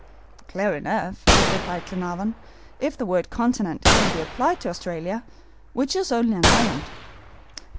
"Clear enough," replied Glenarvan, "if the word continent can be applied to Australia, which is only an island."